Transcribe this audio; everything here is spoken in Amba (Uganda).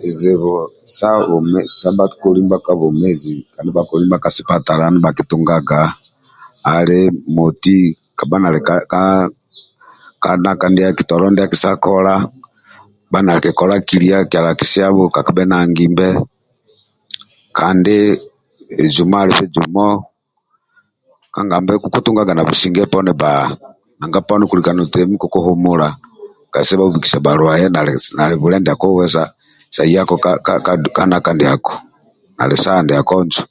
Bizibu sa bukoli sa bwomezi sa bhakoli ndiba ka bwomezi kandi bhakoli ndibha ka sipatala ndibhakitunga ali moti kabha nali ka dhaka ndiaki tolo ndiaki sa kola kabha nakikola kilia kyalo akisiaga ndia kangimbe kandi bizumo ali bizumo kangabe kokutanga nakseinge poni bba nanga poni okulika notelemi kokuhumula kasita bhabhubiksa bhalwaye nali bwile ndiako sa yako ka ka nanka ndiako nali saha ndiako njo